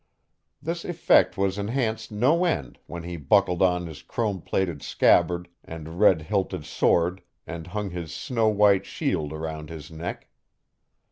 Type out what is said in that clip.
This effect was enhanced no end when he buckled on his chrome plated scabbard and red hilted sword and hung his snow white shield around his neck.